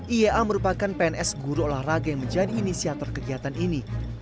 iaa merupakan pns guru olahraga yang menjadi inisiator kegiatan ini